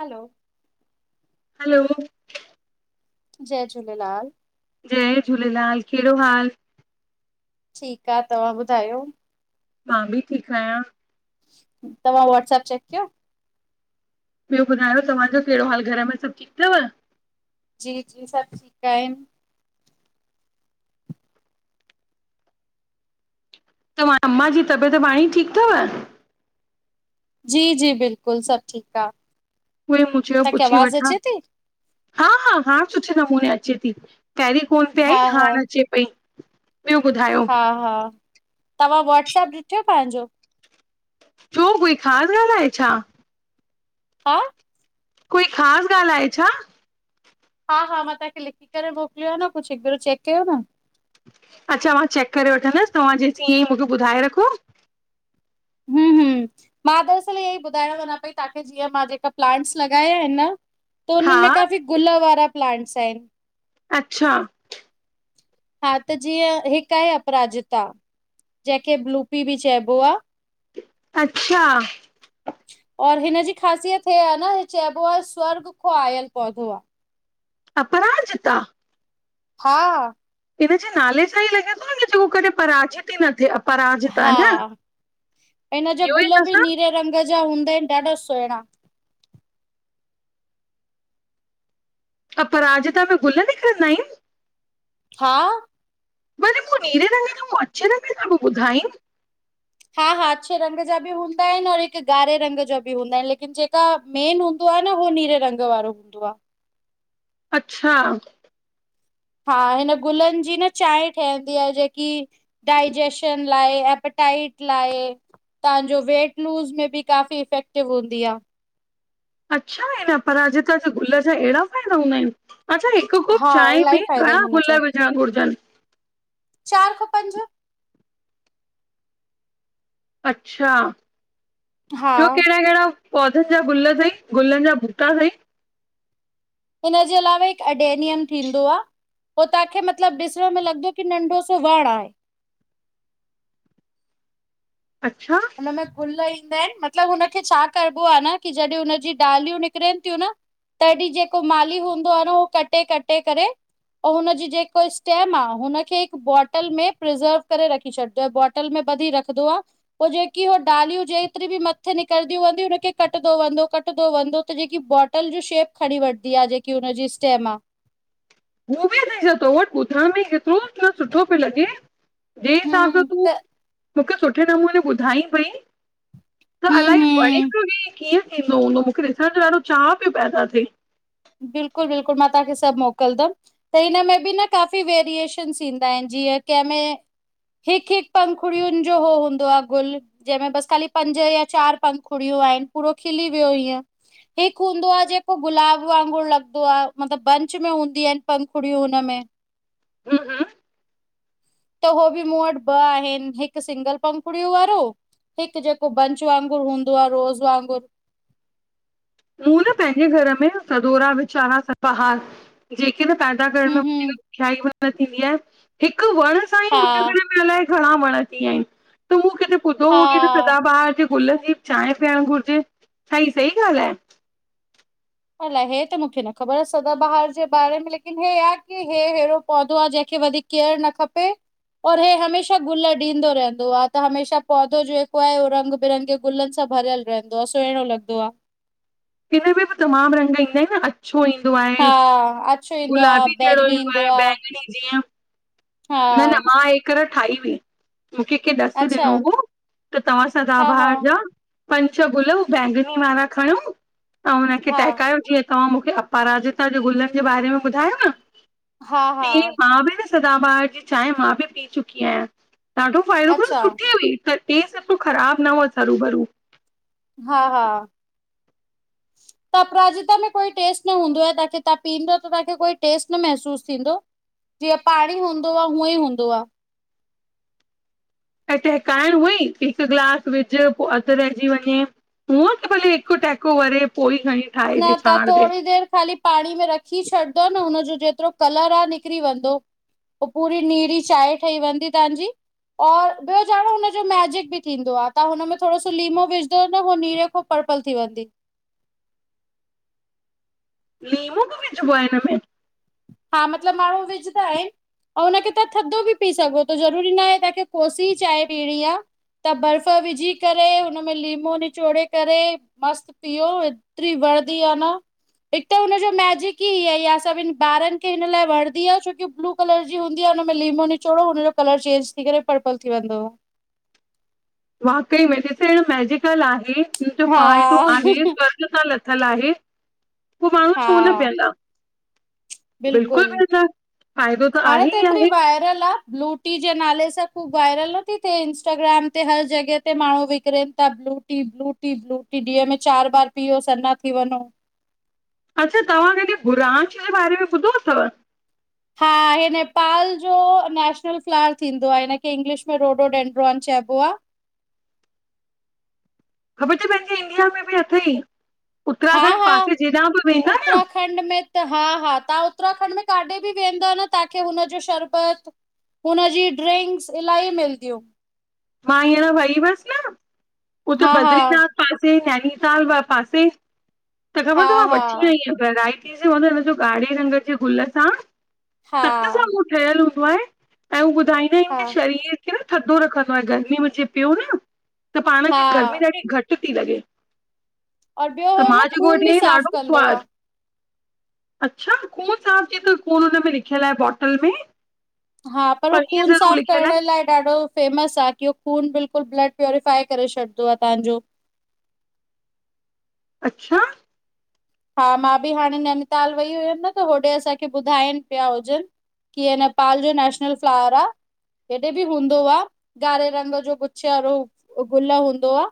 हलो। Hello जय झूलेलाल। जय झूलेलाल, कहिड़ो हाल ठीकु आ, तव्हां ॿुधायो। मां भी ठीकु आहियां। तव्हां वॉट्सप चैक कयो? ॿियो ॿुधायो तव्हांजो कहिड़ो हाल, घर में सभु ठीकु तव। जी जी, सभु ठीकु आहिनि। तव्हां, अम्मा जी तबियत पाणी ठीकु तव। जी जी बिल्कुलु, सभु ठीकु आ। उओई मूं चयो तव्हांखे पुछी आवाज़ वठां अचे थी? हा हा हा सुठे नमूने अचे थी पहिरीं फोन पे आई, हा हा हाण अचे पई। ॿियो ॿुधायो, हा हा, तव्हां वॉट्सप ॾिठो पांजो। छो, कोई ख़ासि ॻाल्हि आहे छा? आ कोई ख़ासि ॻाल्हि आहे छा? हा हा मां तांखे लिखी करे मोकिलियो आ न कुझु हिकु भेरो चेक कयो न अच्छा मां चेक करे वठंदसि तव्हां जेसीं इअं ई मूंखे ॿुधाए रखो हं हं। मां दरसल ईएई ॿुधायां वञा पई तांखे जीअं मां जेका प्लांट्स लॻाया आहिनि न त उन्हनि में हा, काफ़ी गुल वारा प्लांट्स आहिनि। अच्छा। हा, त जीअं हिक आहे अपराजता, जंहिंखे ब्लूपी बि चइबो आ। अच्छा। और हिनजी ख़ासियत हे आ न, इ चइबो आ स्वर्ग खौं आयल पौधो आ। अपराजिता! हा। इनजे नाले सां ई लॻे थो न जेको कॾें पराजित ई न थियो आ। हा इन जो इहो ई गुल त बि असां नीरे रंग मा हूंदा आहिनि ॾाढा सुहिणा अपराजिता के गुल में खणदा आइन। हा भले मूं नीरे रगे ऐं मूं अछे रंगे सां बि ॿुधाईं। हा हा अछे रंग जा बि हूंदा आहिनि और हिकु ॻारे रंग जो बि हूंदा आहिनि लेकिन जेका मेन हूंदो पहिरियों हू नीरे रंग वारो हूंदो आ। अच्छा हा हिन गुलनि जी न चांहि ठहंदी आहे जेकी डाइजेशन लाए ए डाइट लाइ, तांजो वेट लूस में बि काफी इफेक्टिव हूंदी आ। अच्छा ई न पर अॼु कल जे गुल जा एड़ा फ़ाइदा हूंदा आहिनि अच्छा, हिकु कोप हा, चांहि में इलाही फ़ाइदा घणा गुल विझण घुरजनि? चारि खां पंज। अच्छा, ॿियो हा। कहिड़ा कहिड़ा। पौधनि जा गुल साइ गुलनि जा बुटा सइ हिनजे अलावा हिकु अएडेनियम थींदो आ पोइ तांखे मतिलब ॾिसण में लॻिदो कि नंढो सो वणु आहे। अच्छा हुन में गुल ई फैन मतलबु हुनखे छा करबो आ न की जॾें हुनजी डालियूं निकिरनि थियूं न। तॾीं जेको माली हूंदो आ न उहो कटे कटे करे। ऐं हुनजी जेको स्टेम आहे हुनखे हिकु बॉटल में प्रिज़र्व करे रखी छॾजो बॉटल में वधी रखदो आ पो जेकी हो डालियूं जेतिरी बि मथे निकरंदीयूं हुनखे कटंदो वंदो कटंदो वदो त जेकी ब बाटल जी शेप खणी वठंदी आ जेकी हुनजी स्टेम आ। हू बि अ छा तो वटि ॿुधण में केतिरो सुठो पियो लॻे। जें हिसाब सां हम्म तूं त मूंखे सुठे नमूने ॿुधाईं पई त हम्म अलाए प हम्म वई कीअं थींदो हूंदो मूंखे ॾिसण जो ॾाढो चाह पियो पैदा थे। बिल्कुलु बिल्कुलु मां तव्हांखे सभु मोकिलंदमि त हिनमें बि न काफ़ी वेरिएशनस ईंदा आइनि। जीअ केमें। हिकु हिकु पंखुड़ियुनि जो हो हूंदो आ गुल जंहिंमें बस खाली पंज या चार पंखुड़ियूं पो आइन पपरो खिली वियो हीअ हिकु हूंदो आहे जेको गुलाब वांगुर लॻदो आहे मतिलबु बंच में हूंदी आनि पंखुड़ियूं हुनमें। हूं हूं त हो बि मूं वटि ब आहिनि, हिकु सिंगल पंखुड़ियुन वारो हिकु जेको बंच वांगुरु हूंदो आ रोज़ वांगुरु। मूं न पंहिंजे घर में सधोरा वीचारा पहा जी पैदाण हम्म हम्म [unintelligible] थींदी आहे हिकु वण सां ई हा मुंहिंजे घर में अलाए। घणा वण ती आन तू मू किथे ॿुधो हजे त हा सदाबहार जी गुलनि जी चांहि पीअण घुरिजे छ सही ॻाल्हि आहे। अलाए हे त मूंखे न ख़बर आ सदा बहार जे बारे में लेकिन हे आ की हे एड़ो पौधो आहे जेंखे कदी केअर न खपे। और हे हमेशह गुल ॾींदो रहंदो आ त हमेशह पौधो जेको आहे रंग बिरंगे गुलनि सां भरियल रहंदो आ सुहिणो लॻदो आ हिनमें बि तमामु रंग ईंदा आहिनि अछो ईंदो आहे। हा अछो ईंदो आ गुलाबी जेड़ो बैगनी ईंदो आहे आ बैंगनी जीअं हा न न मां हिकरो ठाही हुई। मूंखे कं ॾस अच्छा ॾिनो हुओ त तव्हां सां त हा हा ॿाहिरि जा। पंज छह गुल बैेंंगनी वारा खणो ऐं हुनखे हा टहिकायो जीअं तव्हां मूंखे अपराजिता जे गुलनि जे बारे में ॿुधायो न हा हा तीअ मां बि सदाबार जी चांहि मां बि पी चुकी आहियां ॾाढो फ़ाइदो अच्छा सुठी हुई। त स तूं ख़राब न हो ज़रू भरू हा हा। त अपराजिता में कोई टेस्ट न हूंदो आहे तव्हांखे तव्हां पीअंदोव त तव्हांखे कोई टेस्ट न महसूसु थींदो जीअं पाणी हूंदो आहे हूअं ई हूंदो आहे। टहिकाइण हुई हिकु गिलास विझ पोइ अधु रहिजी वञे। हूअ त भले हिको टैको वरे पोइई। न तव्हां थोरी देरि ख़ाली पाणी में रखी छॾंदोव न हुनजो जेतिरो कलर आहे निकरी वेंदो पूरी नीरी चांहि ठही वेंदी तव्हांजी। और ॿियो छा हुनजो मेजिक बि थींदो आहे तां हुनमें थोरो सो लीमो विझ न नीरे खां प थी वेंदी लीमो बि वझ प हिन में हा मतलब माण्हू विझंदा आहिनि। ऐं हुनखे तव्हां थधो बि पी सघो त ज़रूरी न आहे तव्हांखे कोसी चांहि पीअणी आ। त बर्फ विझी करे हुनम में लीमो निचोड़े करे मस्तु पीओ तिरी। हिक त हुनन जो मेजीक़ हि ईयो आ सभनि ॿारनि हिन लाइ वणदी आहे छोकी ब्लू कलर जी हूंदी आहे हुन में लीमो निचोड़ो हुनजो कलर चेंज थी करे पर्पल थी वेंदो आ। हंदो वाकई में िसणु मेजिकल आहे त जो फ़ाइदो हा आहे स थल आहे उ माण्हू छो न हा बीहंदा? बिल्कुलु फ़ाइदो हाणे आहे त ई हेएतिरी आहे वायरल आहे ब्लूटी जे नाले सां वायरल नथी थिए इंस्टाग्राम ते हर जॻह ते माण्हू विकरनि था blue tea blue tea blue ॾींीअ में चार बार पीओ सना थी वञो। अच्छा तव्हां हिनॾ भुरांच जे बारे में ॿुधो अथव? हा [inaudible] नेपाल जो नेशनल फ्लर थींदो आहे हिनखे इंगलिश में रोडो डडो चइबो आहे [inaudible] [inaudible] ख़बर त पंहिंजी इंडिया में बि अथई। हा उत्तराखंड हा पासे जेॾां बि वेंदा न उत्तराखंड में त हा हा तव्ह उत्तराखंड में काथे बि वेंदो न तव्हांखे हुनजो शरबत हुनजी ड्रिंक्स इलाही मिलंदियूं। मां हींअर वई हुअसि न उते हा हा बद्रीनाथ पासे साल। पासे त ख़बर हा अथ मां हा वठी आई आहियां हिनो ॻाड़़े नंगर जे गुल सां हा सत सां उहो ठहियल ऐं हूंदो उ ॿुधाईंदा आहिनि की हा शरीर खे न थधो रखंदो आहे गर्मी मेंचे पियो न त पाण खे हा गर्मी ॾाढी घटि थी लॻे। और ॿियो त हो मां न जे खून बि घोठी साफ़ ॾाढो कंदो आ। स्वादु अच्छा खून साफ़ च थो खून हुन में लिखियलु आहे बॉटल में हा पर उ हीअ खून ज़रूर साफ़ लिखियल करण आहे लाइ ॾाढो फेमस आहे। की खून बिल्कुलु ब्लड प्यूरफाइ करे छॾंदो आहे तव्हांजो अचछा हा मां बि हाणे नैनीताल वई हुअमि न त होॾे असांखे ॿुधाइनि पिया हुजनि। कीअ नेपाल जो नेशनल फ्लावर आहे हेॾे बि हूंदो आहे गाारे रंग जो गुो गुल हूंदो आ।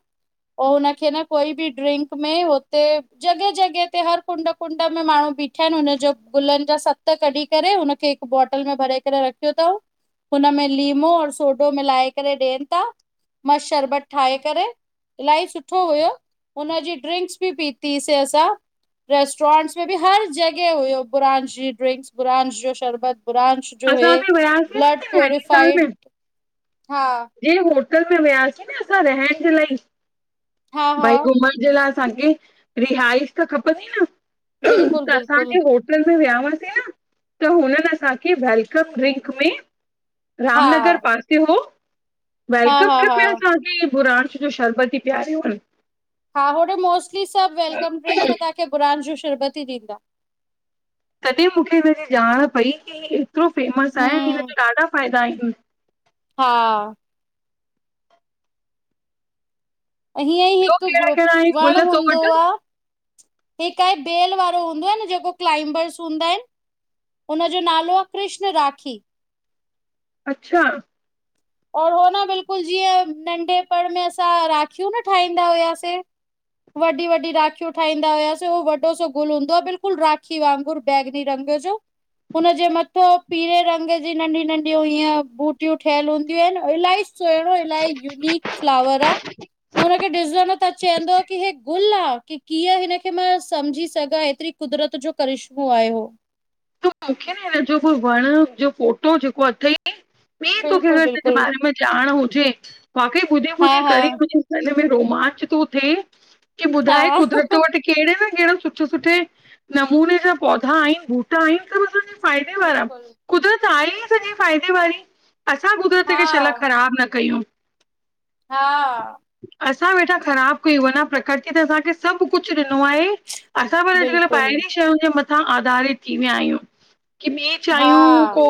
उ हुनखे न कोई बि ड्रिंक में होते जॻह जह ते हर कुंड कुंड में माण्हू बीठा आहिनि हुनज गुलनि जा सत कढी करे हुनखे हिकु बोटल में भरे। रख़यो थऊ हुनम में लीमो और सोडो मिलाए करे ॾियनि था मस्त शरबत ठाहे करे इलाही सुठो हुयो हुनजी ड्रिंक्स बि पीतीसीं असां रेस्टोरेंट्स में बि हर जॻह हुययो बुरांश जी ड्रिंक्स बुरांश जो शरबत ब्रांच जो हे असां बि वियासीं न ब्लड त नैनीताल में प्यूरफाइड हा टल में वियासीं न असां रहण जे लाइ हा हा भई घुमण जे ला हान्जी, रिहाइश त खपनदी न, बिल्कुलु त अस्सां बिल्कुलु खे होटल त व्यावसी, त हुननि असांखे वेलकम ड्रिंक में- हा रामनगर पासे हो हा वेलकम हा ड्रिंक हा में असांखे बुराण जो शरबती पियारियो अन। हा होॾे मोस्टली सभु वेलकम ड्रिंक में तव्हांखे बुरान जो शरबत ई ॾींदा। तॾीं मूंखे हिनजी ॼाण पई की एतिरो फेमस आहे ऐं हिन जा ॾाढा फ़ाइदा आहिनि। हूँ। हां ऐं हीअं ई ॿियो हिकु कहिड़ा कहिड़ा आहिनि वण गुल तो हूंदो वटि आ। ह आहे बेल वारो हूंदो आ न जेको क्लाइंबर्स हूंदा आहिनि। हुनजो नालो आ कृष्ण राखी अच्छा। और हो न बिल्कुलु जीअं नंढेपण में असां राखियूं न ठाहींदा हुआसे वॾी वॾी राखयू ठाईंदा हुयास उ वॾो सो गुल हूंदो आहे बिल्कुलु राखी वांगुर बैगनी रंग [unintelligible] हुनि जे मथो पीरे रंग जी नंढियूं नंढियूं ईअं बूटियूं ठय हूंदियूं ल सुणो इल यूक फलावर आहे। हुनखे डॾिसंदो न त चवंदो की हे गुल आहे की। कीअं हिनखे मां समुझी सघां एतिरी कुदरत जो करिश्मो आहे त मूंखे न हिन जो कोई वण मुंहिंज जो फोटो जेको अथई तोखे बिल्कुलु अगरि हिन जे बिल्कुलु बारे में ॼाण हुजे बाक़ई ॿुधी हा ॿुधी हा करे हुजे। रोमांच थो थिए की ॿुधाए हा कुदरत वटि कहिड़े। कहिड़ा सुठे सुठे नमूने जा पौधा आहिनि बूटा आहिनि सभु असांजा। फाइदे वारारा बिल्कुलु कुदर च आई सॼी फाइदे वारी असां कुुदरत हा खे शला ख़राबु न कयूं हा असां वेठा ख़राब कयूं अञा प्रकृति त असांखे सभु कुझु ॾिनो आहे। असां पर अॼुकल्ह बिल्कुलु पहिरीं शयुनि जे मथां आधारित थी विया आहियूं। की हा चाहियूं को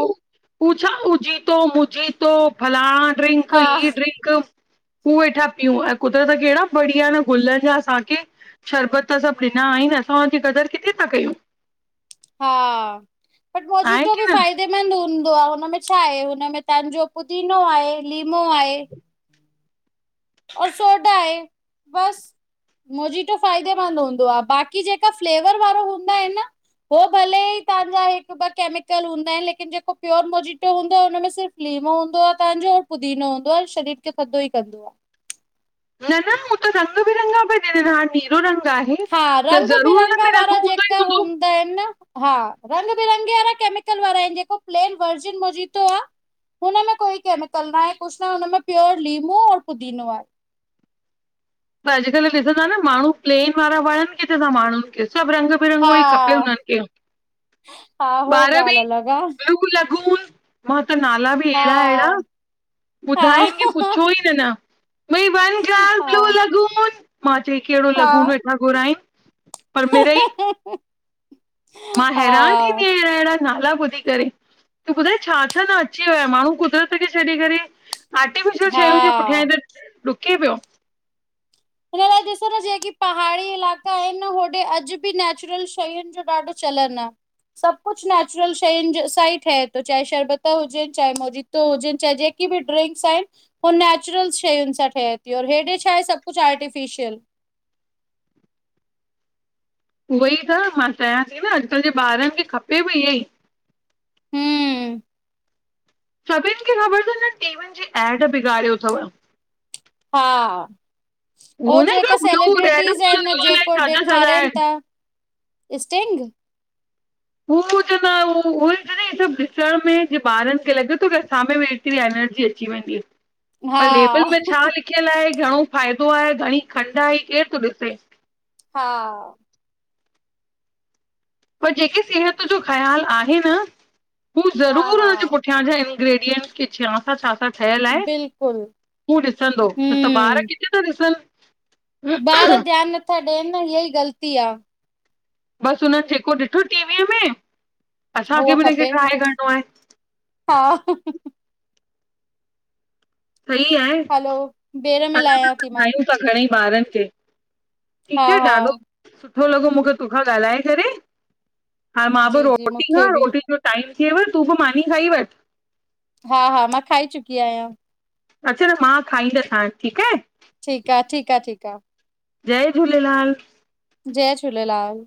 पछा उ थो मुझी थो भल ड्रिंक हा ई ड्रिंक हूूं वेठा पियूं ऐं कुदिरत कहिड़ा बढ़िया न गुल जा असांखे। शरबत अ सभु ना आहिनि असां हुन जी कदुरु किथे था कयूं? हा बट मजीी आहे त की बि न फाइदेमंद ह म छा आहे हुनमें तव्हांजो पुदीनो आहे लीमो आहे और सोडा आहे बस मोजी त फ़ाइदेमंद हूंदो आहे बाक़ी जेका फ्लेवर वारा हूंदा आहिनि। हो भले ई ता ॿ केमिकल हूंदा आहिनि लेक जेको प्योर मोटो हूंदो आहे हुन मे हूंदो आहे तव्हांजोऔर पुदीनो हूंदो आहे शरीर खे थधो ई कंदो आहे। न न हू त रंग बिरंगा पई नीरो रंग आहे हा त रंग ज़रूर बिरंग हुन में रंग वारा हूंदो ई जेका हूंदो हूंदा आहिनि न हा रेमल वार म हुनमें कोई केमिकल न आहे कुझु न हुनमें प्योर लीमो पुदीनो आहे। [inaudible] त अॼुकल्ह ॾिसंदा न माण्हू प्लेन वारा वणनि किथेथा माण्हूुनि खे। सभु रंग हा बिरंगो ई खपे हुनननि खे हा हो बॿारह ॻाल्हि अलॻि आ मेंला-' मां त नाला बि अहिड़ा अहिड़ा हा ॿुधाइनि की हा पुछो ई न मां हा चई कहिड़ो लून हा वेठा घुराइ मां हैरान थींदी हा आहियां अहिड़ा अहिड़ा। नाला ॿुधी करे तूं ॿुधाए छा छा न अची वियो आहे माण्हू कुदरत खे छॾी करे आर्टिफिशियल हा शयूं जे पुठियां त डुके पियो हिन लाइ ॾिसो न जेकी पहाड़ी इलाइका आहिनि होॾे अॼु बि नेचुरल शयुनि जो ॾाढो चलर न सभु कुझु नैचुरल शय साइट है त चाहे शरबता हुजनि चाहे मोजतो हुजनि चाहे जे ड्रिं उ नेचुरल शयुनि सां ठहे थीऔ हेॾे छा आहे सभु कुझु आर्टिफिशल उहोई त मां चाहियां थी न अॼुकल्ह जे ॿारनि खे खपे बि इहो ई। हम सभिनि खे ख़बर अथव न टीवियुनि जी एड बिगाड़ियो अथव हा उहो न जेका हिकिड़ो ब्लू रेड सेलिब्रिटीज़ बुल आहिनि अलाए जेको छा छा छा ॾेखारनि था। आहिनि। स्टेंग हू च न उ सभु ॾिसण में जे ॿारनि खे लॻे थो की असां वेत व आयाय [unintelligible] हा त लेबेल मै छा लि ख़्यल आहें ॻॾो फ़ाइदो आहे घणी खंडु आई केर थो ॾिसे हा पर जेके सिहत जो ख़्यालु आहे न हू हा ज़रूर हुन हा जे पुठियां जा आहिनि। ग्रेडियएंंट क छा सां छा छा? ठहियल आहे बिल्कुलु तूं ॾिसंदो त त ॿार हम्म, किथे था ॾिसनि? ॿार ध्यानु नथा ॾियनि इहा ई ग़लती आहे। बस हुन ठेको ॾिठो टीवीअ में असांखे हुअ बि हिनखे खपे ट्राए करिणो आहे। हा सही आहे हलो बेर में लाहियां थी मां हलायूं था घणे ॿारनि खे हा ठीकु आहे ॾाढो हा सुठो। सुठो लॻो मूंखे तोखां ॻाल्हाए करे हा मां बि जी जी रोटी खां मूंखे बि रोटी जो टाइम तूं बि मानी खाई वठ हा हा मां खाई चुकी आहियां। अच्छा त मां खाईंदसां ठीकु आहे। ठीकु आहे ठीकु आहे ठीकु आहे। जय झूलेलाल जय झूलेलाल